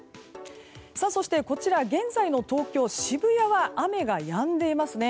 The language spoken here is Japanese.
こちら、現在の東京・渋谷は雨がやんでいますね。